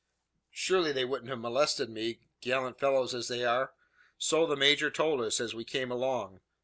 Surely they wouldn't have molested me, gallant fellows as they are? So the major told us, as we came along.